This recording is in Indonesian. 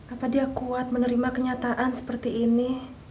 apa dia kuat menerima kenyataan seperti ini